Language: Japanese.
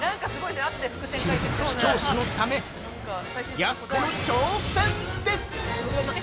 視聴者のため、やす子の挑戦です！